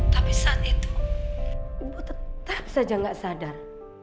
tapi saat itu ibu tetap saja nggak sadar